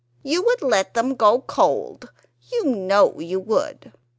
You would let them go cold; you know you would!"